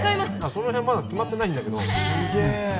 その辺まだ決まってないんだけどすげえ！